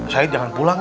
said jangan pulang ya